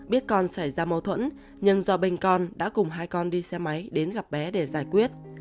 biết con xảy ra mâu thuẫn nhưng do bên con đã cùng hai con đi xe máy đến gặp bé để giải quyết